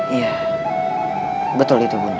iya betul itu bunda